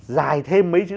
dài thêm mấy chữ